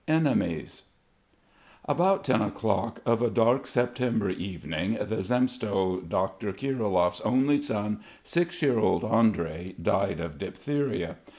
ENEMIES About ten o'clock of a dark September evening the Zemstvo doctor Kirilov's only son, six year old Andrey, died of diphtheria.